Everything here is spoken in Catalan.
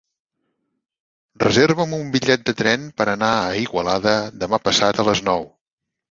Reserva'm un bitllet de tren per anar a Igualada demà passat a les nou.